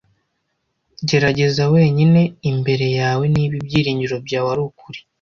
gerageza wenyine imbere yawe niba ibyiringiro byawe ari ukuri